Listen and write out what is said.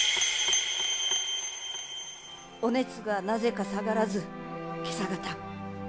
お熱がなぜか下がらず今朝方。